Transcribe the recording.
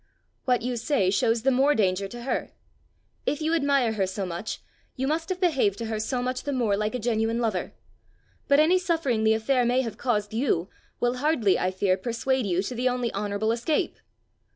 "What you say shows the more danger to her! If you admire her so much you must have behaved to her so much the more like a genuine lover. But any suffering the affair may have caused you, will hardly, I fear, persuade you to the only honourable escape!"